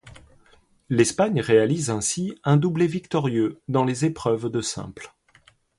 L'Espagne réalise ainsi un doublé victorieux dans les épreuves de simple.